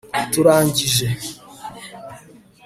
turangije